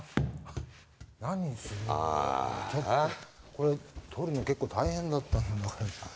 これ取るの結構大変だった。